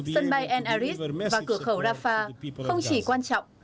sân bay en aris và cửa khẩu rafah không chỉ quan trọng